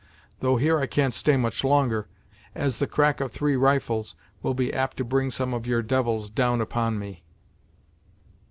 Though here I can't stay much longer, as the crack of three rifles will be apt to bring some of your devils down upon me."